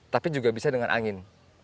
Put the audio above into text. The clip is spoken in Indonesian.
tapi juga bisa dengan angin